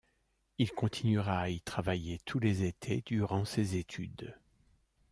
Il continuera à y travailler tous les étés durant ses études.